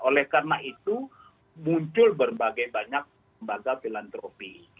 oleh karena itu muncul berbagai banyak lembaga filantropi